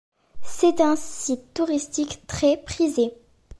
C'est un site touristique très prisé.